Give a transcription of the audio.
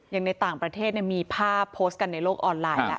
อย่างในต่างประเทศมีภาพโพสต์กันในโลกออนไลน์แล้ว